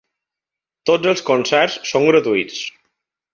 Tots els concerts són gratuïts.